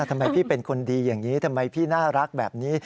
ทำไมพี่เป็นคนดีอย่างนี้ทำไมพี่น่ารักแบบนี้